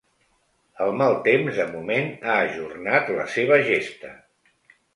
El mal temps, de moment, ha ajornat la seva gesta.